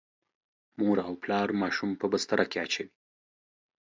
مور او پلار ماشوم په بستره کې اچوي.